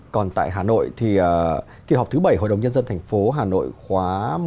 còn tại hà nội thì kỳ họp thứ bảy hội đồng nhân dân tp hcm khóa một mươi năm